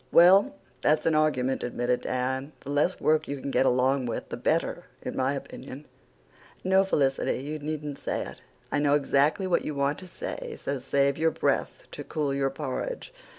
"Well, that's an argument," admitted Dan. "The less work you can get along with the better, in my opinion. No, Felicity, you needn't say it. I know exactly what you want to say, so save your breath to cool your porridge.